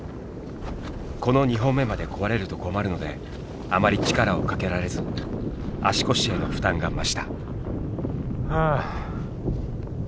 この２本目まで壊れると困るのであまり力をかけられず足腰への負担が増した。